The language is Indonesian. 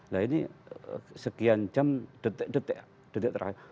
nah ini sekian jam detik detik detik terakhir